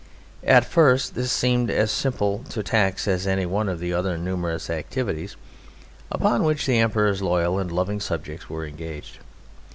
At first this seemed as simple to tax as any one of the other numerous activities upon which the Emperor's loyal and loving subjects were engaged.